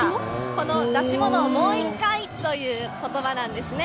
この出し物をもう一回ということばなんですね。